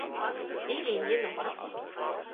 Die Linie Nr.